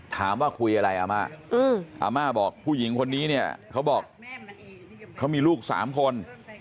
ถามว่าคุยอะไรอาม่าอาม่าบอกผู้หญิงคนนี้เนี่ยเขาบอกเขามีลูก๓คน